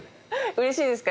うれしいですか？